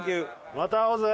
また会おうぜ！